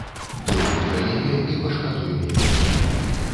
Думай пра яе і пашкадуй мяне.